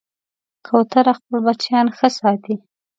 کوتره خپل بچیان ښه ساتي.